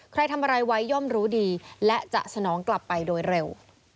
ใครทำอะไรไว้ย่อมรู้ดีและจะสนองกลับไปโดยเร็ว